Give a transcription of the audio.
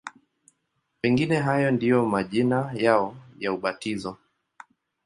Pengine hayo ndiyo majina yao ya ubatizo.